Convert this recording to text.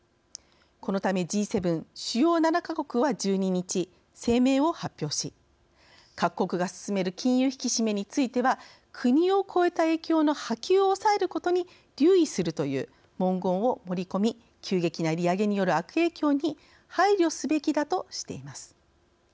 このため、Ｇ７＝主要７か国は１２日、声明を発表し各国が進める金融引き締めについては「国を超えた影響の波及を抑えることに留意」するという文言を盛り込み急激な利上げによる悪影響に配慮すべきだとしています。